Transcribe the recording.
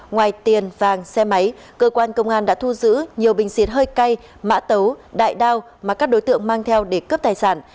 ngoài tiền vàng xe máy cơ quan công an đã thu giữ nhiều bình xịt hơi cay mã tấu đại đao mà các đối tượng mang theo để cướp tài sản